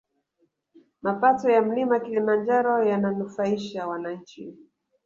Mapato ya mlima kilimanjaro yananufaisha wananchi